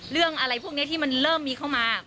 เรื่องอะไรพวกนี้ที่มันเริ่มมีเข้ามา